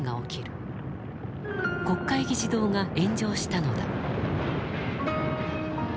国会議事堂が炎上したのだ。